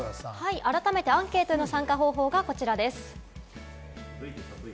あらためてアンケートの参加方法がこちらです。